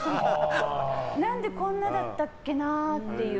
何で、こんなだったけなっていう。